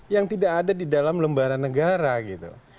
yang tidak ada di dalam lembaran negara gitu